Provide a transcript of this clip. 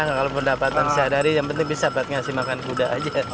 kalau pendapatan sehari hari yang penting bisa buat ngasih makan kuda aja